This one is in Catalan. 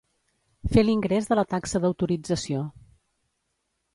Fer l'ingrés de la taxa d'autorització.